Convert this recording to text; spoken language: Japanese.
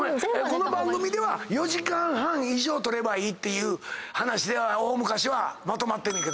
この番組では４時間半以上取ればいいっていう話で大昔はまとまってんねんけど。